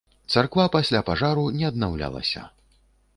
Царква пасля пажару не аднаўлялася.